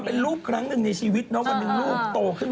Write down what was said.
เป็นลูกครั้งหนึ่งในชีวิตนะวันหนึ่งลูกโตขึ้นมา